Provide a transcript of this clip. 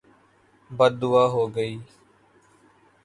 بدعا ہو گئی